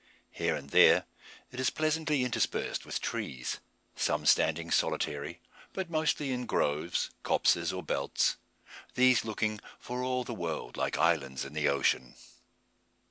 Here and there it is pleasantly interspersed with trees, some standing solitary, but mostly in groves, copses, or belts; these looking, for all the world, like islands in the ocean.